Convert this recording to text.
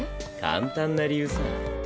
簡単な理由さ。